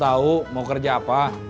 tahu mau kerja apa